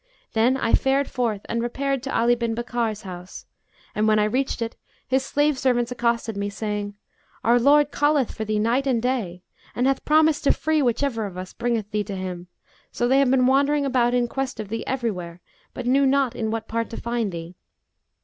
Then I fared forth and repaired to Ali bin Bakkar's house and, when I reached it, his slave servants accosted me, saying, 'Our lord calleth for thee night and day, and hath promised to free whichever of us bringeth thee to him; so they have been wandering about in quest of thee everywhere but knew not in what part to find thee.